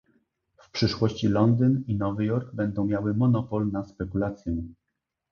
w przyszłości Londyn i Nowy Jork będą miały monopol na spekulację